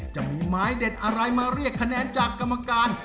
จะมีไม้เด็ดอะไรมาเรียกคะแนนจากกรรมการ